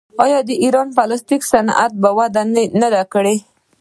آیا د ایران پلاستیک صنعت وده نه ده کړې؟